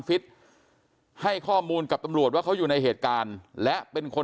ฟิตให้ข้อมูลกับตำรวจว่าเขาอยู่ในเหตุการณ์และเป็นคน